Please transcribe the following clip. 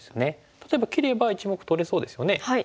例えば切れば１目取れそうですよね。